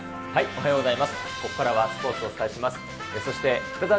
おはようございます。